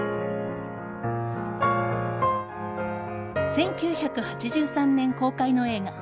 １９８３年公開の映画